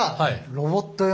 ロボット用？